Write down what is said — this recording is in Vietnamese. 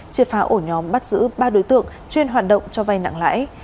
triệt phá ổ nhóm bắt giữ ba đối tượng chuyên hoạt động cho vay nặng lãi